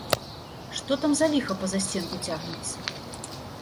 Што там за ліха па засценку цягнецца?